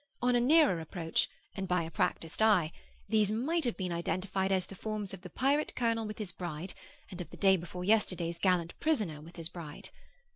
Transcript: On a nearer approach, and by a practised eye, these might have been identified as the forms of the pirate colonel with his bride, and of the day before yesterday's gallant prisoner with his bride.